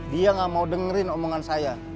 dia gak mau dengerin omongan saya